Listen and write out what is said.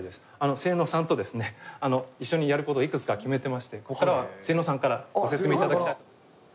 セイノーさんと一緒にやることをいくつか決めてましてここからはセイノーさんからご説明いただきたい。